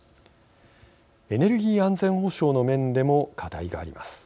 エネルギー安全保障の面でも課題があります。